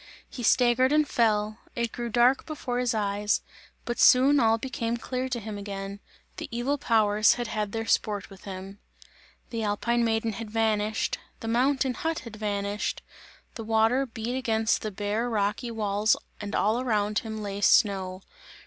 He staggered and fell; it grew dark before his eyes, but soon all became clear to him again; the evil powers had had their sport with him. The alpine maiden had vanished, the mountain hut had vanished, the water beat against the bare rocky walls and all around him lay snow.